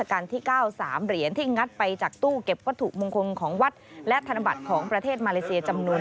อายุ๓๒ปี